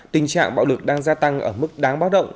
tình trạng bạo lực đang gia tăng ở mức đáng báo động